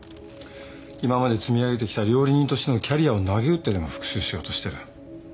今まで積み上げてきた料理人としてのキャリアをなげうってでも復讐しようとしてる。